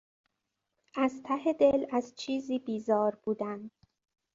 از ته دل از چیزی بیزار بودن